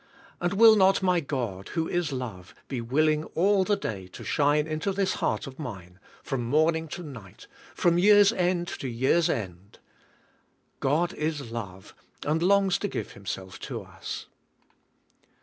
And will not my God, who is love, be willing all the day to shine into this heart of mine, from morning to night, from year's end to year's end? God is love, and longs to give HinLrc lf to us.